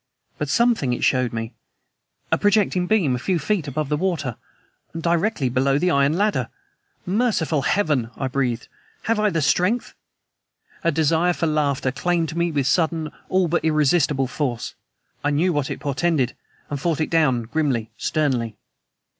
But something it showed me ... a projecting beam a few feet above the water ... and directly below the iron ladder! "Merciful Heaven!" I breathed. "Have I the strength?" A desire for laughter claimed me with sudden, all but irresistible force. I knew what it portended and fought it down grimly, sternly.